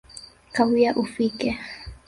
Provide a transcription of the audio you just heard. Kawia ufike